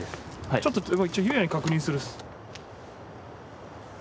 ちょっと一応雄也に確認するっす。